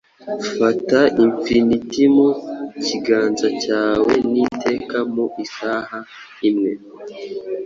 Fata Infinitimu kiganza cyawe n'iteka mu isaha imwe.